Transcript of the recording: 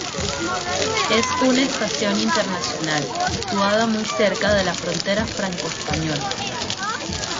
Es una estación internacional situada muy cerca de la frontera franco-española.